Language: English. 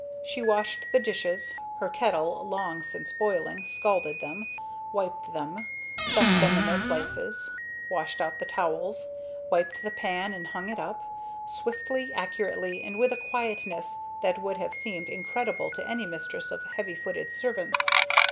She washed the dishes, her kettle long since boiling, scalded them, wiped them, set them in their places; washed out the towels, wiped the pan and hung it up, swiftly, accurately, and with a quietness that would have seemed incredible to any mistress of heavy footed servants.